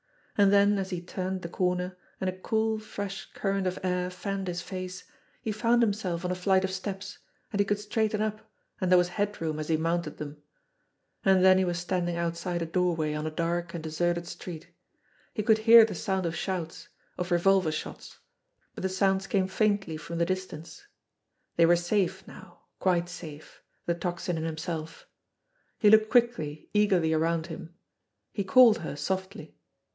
And then as he turned the corner, and a cool, fresh current of air fanned his face, he found himself on a flight of steps, and he could straighten up and there was head room as he mounted them. And then he was standing outside a doorway on a dark and deserted street. He could hear the sound of shouts, of revolver shots, but the sounds came faintly from the dis tance. They were safe now, quite safe, the Tocsin and himself. He looked quickly, eagerly around him. He called her softly.